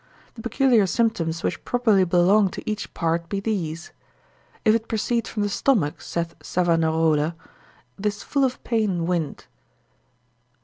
The peculiar symptoms which properly belong to each part be these. If it proceed from the stomach, saith Savanarola, 'tis full of pain wind.